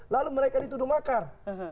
lalu mereka dituduh makar